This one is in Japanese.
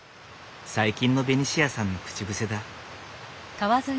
最近のベニシアさんの口癖だ。